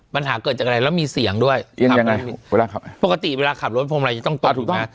ปัญหาเกิดจากอะไรแล้วมีเสียงด้วยยังไงเวลาขับปกติเวลาขับรถพวงมาลัยจะต้องตกถูกไหม